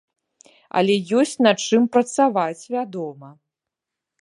Але ёсць над чым працаваць, вядома!